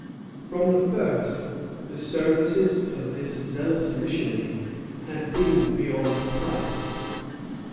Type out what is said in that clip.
From the first, the services of this zealous missionary had been beyond price.